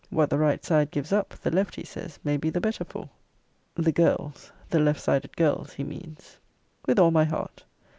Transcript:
What the right side gives up, the left, he says, may be the better for.' The girls, the left sided girls, he means. With all my heart.